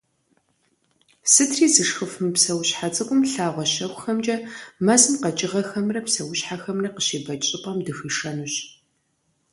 Сытри зышхыф мы псэущхьэ цӏыкӏум лъагъуэ щэхухэмкӏэ мэзым къэкӏыгъэхэмрэ псэущхьэхэмрэ къыщебэкӏ щӏыпӏэм дыхуишэнущ.